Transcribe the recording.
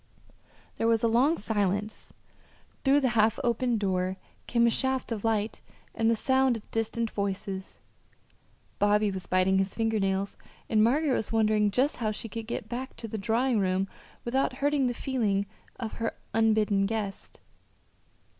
There was a long silence. Through the half open door came a shaft of light and the sound of distant voices. Bobby was biting his finger nails, and Margaret was wondering just how she could get back to the drawing room without hurting the feelings of her unbidden guest.